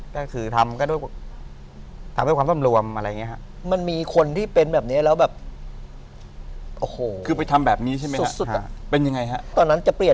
ก็คือทำก็ด้วย